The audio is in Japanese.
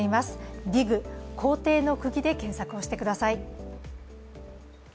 ＤＩＧ 校庭の釘で検索をしてください。